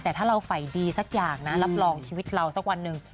แต่ถ้าเราใส่ดีสักอย่างนะรับรองชีวิตเราสักวันหนึ่ง